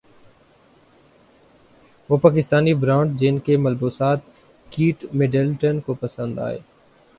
وہ پاکستانی برانڈز جن کے ملبوسات کیٹ مڈلٹن کو پسند ائے